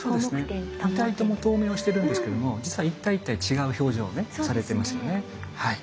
２体とも遠目をしてるんですけども実は一体一体違う表情をねされてますよねはい。